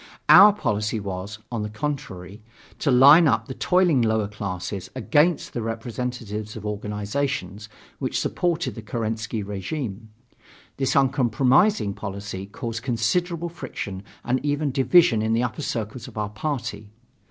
Our policy was, on the contrary, to line up the toiling lower classes against the representatives of organizations which supported the Kerensky regime. This uncompromising policy caused considerable friction and even division in the upper circles of our party.